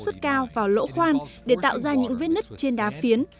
đó là một nơi cao vào lỗ khoan để tạo ra những vết nứt trên đá phiến